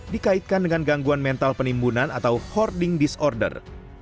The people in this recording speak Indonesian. dikaitkan dengan gangguan mental penimbunan atau hoarding disorder